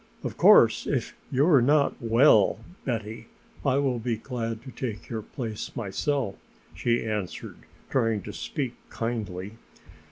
"Of course if you are not well, Betty, I will be glad to take your place myself," she answered, trying to speak kindly.